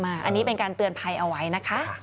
อันนี้เป็นการเตือนภัยเอาไว้นะคะ